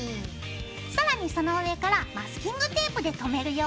更にその上からマスキングテープでとめるよ。